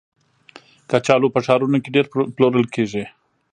کچالو په ښارونو کې ډېر پلورل کېږي